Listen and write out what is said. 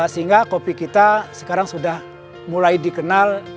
sehingga kopi kita sekarang sudah mulai dikenal